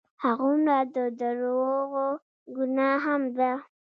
هغومره د دروغو ګناه هم ده.